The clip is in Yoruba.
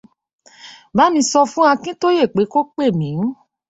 Bá mi sọ fún Akíntóyè pé kó pè mí